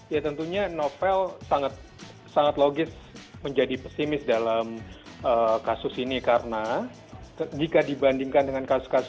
ya tentunya novel sangat logis menjadi pesimis dalam kasus ini karena jika dibandingkan dengan kasus kasus